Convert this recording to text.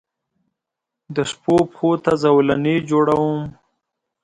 دشپووپښوته زولنې جوړوم